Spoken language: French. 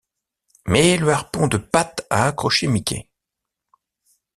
Mais le harpon de Pat a accroché Mickey.